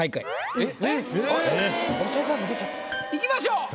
えっ！いきましょう。